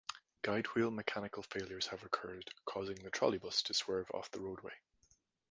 Guidewheel mechanical failures have occurred, causing the trolleybus to swerve off the roadway.